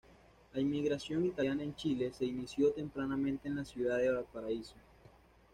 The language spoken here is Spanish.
La inmigración italiana en Chile, se inició tempranamente en la Ciudad de Valparaíso.